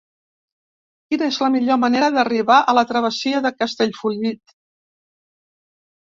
Quina és la millor manera d'arribar a la travessia de Castellfollit?